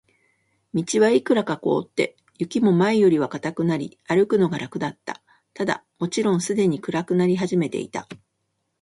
道はいくらか凍って、雪も前よりは固くなり、歩くのが楽だった。ただ、もちろんすでに暗くなり始めていた。